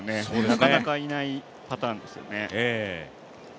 なかなかいないパターンですよね。